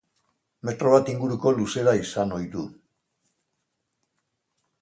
Metro bat inguruko luzera izan ohi du.